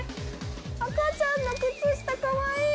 赤ちゃんの靴下、かわいい。